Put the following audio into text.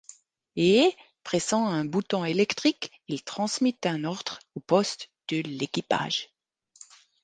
Et, pressant un bouton électrique, il transmit un ordre au poste de l’équipage.